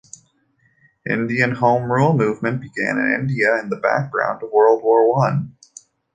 Indian home rule movement began in India in the background of World War One.